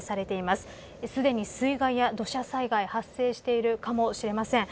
すでに水害や土砂災害発生しているかもしれません。